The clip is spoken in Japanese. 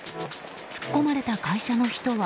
突っ込まれた会社の人は。